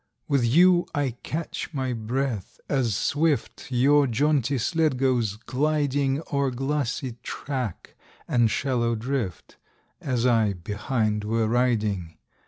With you I catch my breath, as swift Your jaunty sled goes gliding O'er glassy track and shallow drift, As I behind were riding!